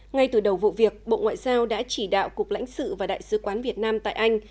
ngay từ đầu vụ việc bộ ngoại giao đã chỉ đạo cục lãnh sự và đại sứ quán việt nam tại anh